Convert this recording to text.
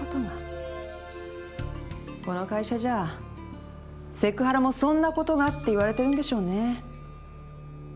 この会社じゃセクハラも「そんなことが？」って言われてるんでしょうね。